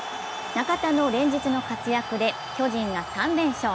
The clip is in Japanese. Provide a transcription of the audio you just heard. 中田の連日の活躍で巨人が３連勝。